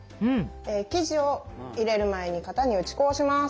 生地を入れる前に型に打ち粉をします。